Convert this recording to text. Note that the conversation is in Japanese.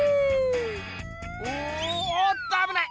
おっとあぶない！